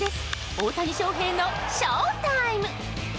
大谷翔平のショータイム。